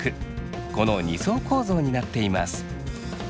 この２層構造になっています。